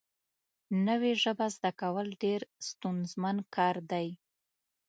نوې ژبه زده کول ډېر ستونزمن کار دی